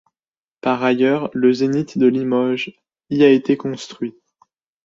Par ailleurs, le Zénith de Limoges y a été construit.